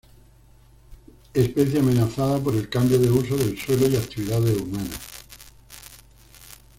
Especie, amenazada por el cambio de uso del suelo y actividades humanas.